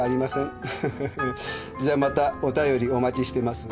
じゃまたお便りお待ちしてます。